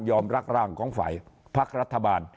ยอมรักร่างของภักษ์รัฐบาล